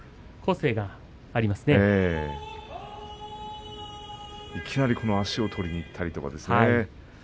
ええいきなり足を取りにいったりとかね。